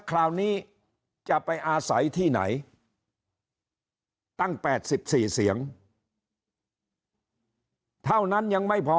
คราวนี้จะไปอาศัยที่ไหนตั้ง๘๔เสียงเท่านั้นยังไม่พอ